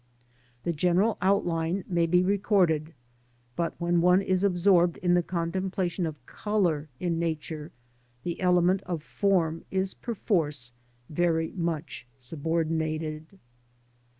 The general outline may be recorded, but when one is absorbed in the contemplation of colour in Nature, the element of form is perforce very much subordinated.